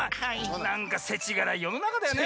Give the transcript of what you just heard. なんかせちがらいよのなかだよね。